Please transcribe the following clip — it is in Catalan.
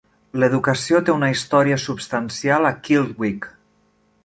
L'educació té una història substancial a Kildwick.